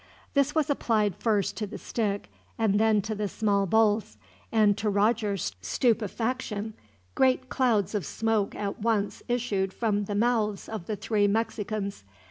This was applied first to the stick, and then to the small bowls; and, to Roger's stupefaction, great clouds of smoke at once issued from the mouths of the three Mexicans.